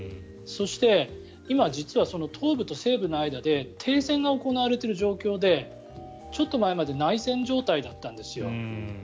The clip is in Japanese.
そして、今実は東部と西部の間で停戦が行われている状況でちょっと前まで内戦状態だったんですよ。